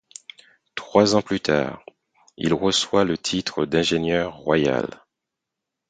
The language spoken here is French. Trois ans plus tard, il reçoit le titre d'ingénieur royal.